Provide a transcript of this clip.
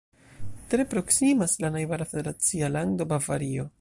Tre proksimas la najbara federacia lando Bavario.